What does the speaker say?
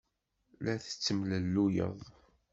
La tettemlelluyed.